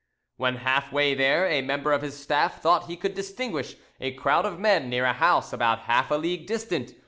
When half way there, a member of his staff thought he could distinguish a crowd of men near a house about half a league distant; M.